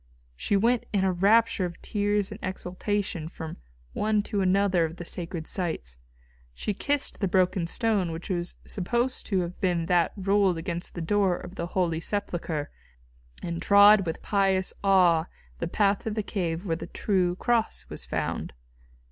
She went in a rapture of tears and exaltation from one to another of the sacred sites. She kissed the broken stone which was supposed to have been that rolled against the door of the Holy Sepulchre, and trod with pious awe the path to the cave where the True Cross was found.